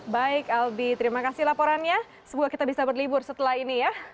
baik albi terima kasih laporannya semoga kita bisa berlibur setelah ini ya